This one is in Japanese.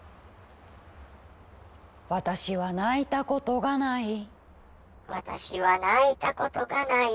「私は泣いたことがない」「私は泣いたことがない」